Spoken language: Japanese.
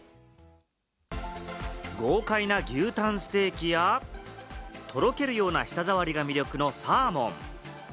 豪快な牛タンステーキや、とろけるような舌ざわりが魅力のサーモン。